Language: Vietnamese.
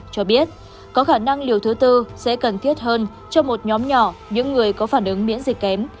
cho biết có khả năng liều thứ tư sẽ cần thiết hơn cho một nhóm nhỏ những người có phản ứng miễn dịch kém